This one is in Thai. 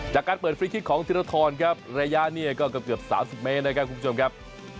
จากการเปิดฟรีคลิกของธิรทรครับระยะนี้ก็เกือบ๓๐เมตรนะครับคุณผู้ชมครับ